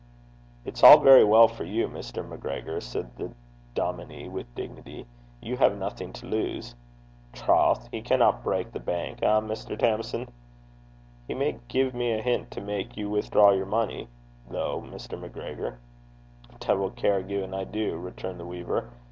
'It's all very well for you, Mr. MacGregor,' said the dominie, with dignity: 'you have nothing to lose.' 'Troth! he canna brak the bank eh, Mr. Tamson?' 'He may give me a hint to make you withdraw your money, though, Mr. MacGregor.' 'De'il care gin I do!' returned the weaver.